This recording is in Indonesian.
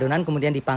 agak kentang dikit